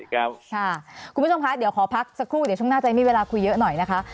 คุณผู้ชมคะเดี๋ยวขอพักสักครู่เดี๋ยวช่วงหน้าจะมีเวลาคุยเยอะหน่อยนะคะ